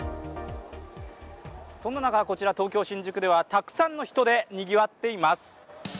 そんな中、こちら東京・新宿ではたくさんの人でにぎわっています。